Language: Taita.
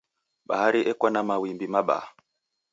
Bahari eko na mawimbi mabaa.